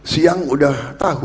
siang udah tahu